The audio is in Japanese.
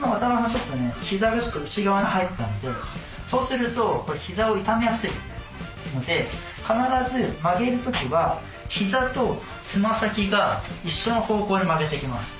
ちょっとねひざが内側に入ってたのでそうするとこれひざを痛めやすいので必ず曲げる時はひざとつま先が一緒の方向に曲げていきます。